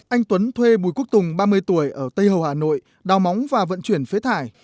anh tuấn thuê bùi quốc tùng ba mươi tuổi ở tây hồ hà nội đào móng và vận chuyển phế thải